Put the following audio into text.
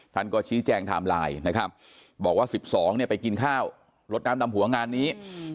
ท่านกอชิแจงทามไลน์บอกว่า๑๒ไปกินข้าวรถน้ำดำหัวงานนี้